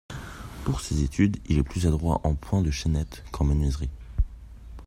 Pour ses études, il est plus adroit en point de chaînette qu'en menuiserie.